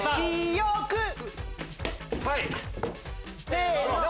せの。